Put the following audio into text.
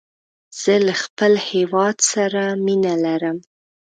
زه له خپل هېواد سره مینه لرم.